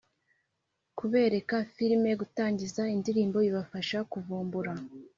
Kubereka filimi gutangiza indirimbo bibafasha kuvumbura